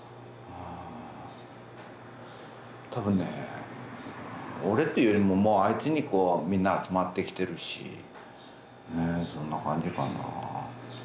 多分ね俺っていうよりもあいつにみんな集まってきてるしそんな感じかな。